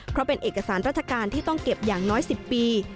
เพราะเป็นเอกสารราชการที่ต้องเก็บอย่างน้อย๑๐ปี